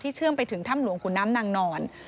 เชื่อมไปถึงถ้ำหลวงขุนน้ำนางนอน